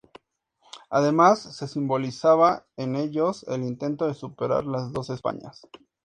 Además, se simbolizaba en ellos el intento de superar las "dos Españas".